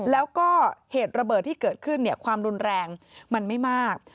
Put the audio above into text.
แล้วก็เหตุระเบิดที่เกิดขึ้นความรุนแรงมันไม่มาก